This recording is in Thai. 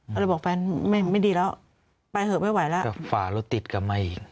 ก็เลยบอกแฟนไม่ดีแล้วไปเถอะไม่ไหวแล้วฝ่ารถติดกลับมาอีก